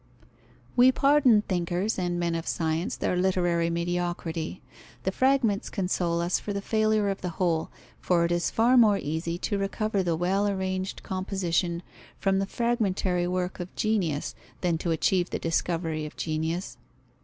_ We pardon thinkers and men of science their literary mediocrity. The fragments console us for the failure of the whole, for it is far more easy to recover the well arranged composition from the fragmentary work of genius than to achieve the discovery of genius.